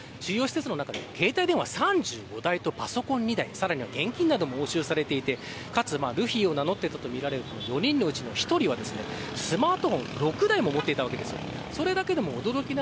あらためてＶＴＲにもありましたが、おとといの抜き打ちの捜索の中で収容施設の中で携帯電話３５台とパソコン２台さらには現金なども押収されてルフィを名乗っていたとみられる４人のうちの１人はスマートフォンを６台も持っていたわけです。